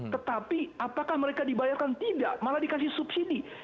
tetapi apakah mereka dibayarkan tidak malah dikasih subsidi